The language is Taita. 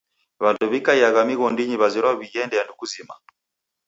W'andu wikaiagha mighondinyi w'ezerwa w'ighende andu kuzima.